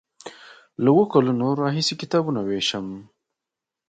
له اوو کلونو راهیسې کتابونه ویشم.